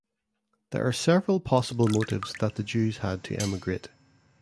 There are several possible motives that the Jews had to emigrate.